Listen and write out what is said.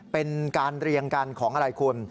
เป็นการเรียงกันของอะไรคุณ